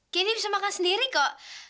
kini bisa makan sendiri kok